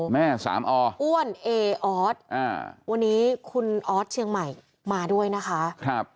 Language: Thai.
แม่สามออ้วนเออออสวันนี้คุณออสเชียงใหม่มาด้วยนะคะ